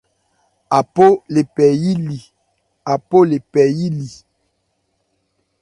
Apo le phɛ yí li.